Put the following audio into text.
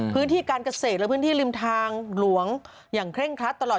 พื้นที่การเกษตรและพื้นที่ริมทางหลวงอย่างเคร่งครัดตลอด